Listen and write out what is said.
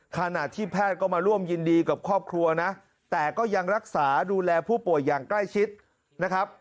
ขณะที่แพทย์ก็มาร่วมยินดีกับครอบครัวนะแต่ก็ยังรักษาดูแลผู้ป่วยอย่างใกล้ชิดนะครับ